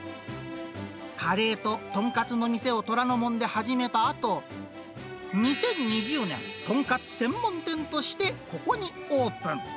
カレーと豚カツの店を虎ノ門で始めたあと、２０２０年、豚カツ専門店としてここにオープン。